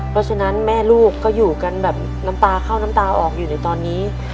เพราะฉะนั้นแม่ลูกก็อยู่กันแบบน้ำตาเข้าน้ำตาออกอยู่ในตอนนี้